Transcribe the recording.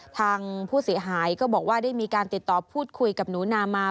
ทางผู้เสียหายก็บอกว่าได้มีการติดต่อพูดคุยกับหนูนามา